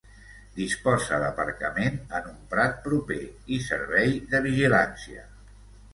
Disposa d'aparcament en un prat proper i servei de vigilància.